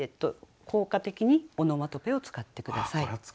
効果的にオノマトペを使って下さい。